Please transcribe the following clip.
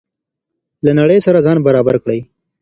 له نړۍ سره ځان برابر کړئ.